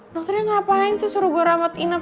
dokternya ngapain sih suruh gue ramat inap